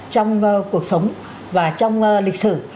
trong cuộc sống và trong lịch sử